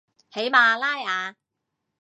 喜马拉雅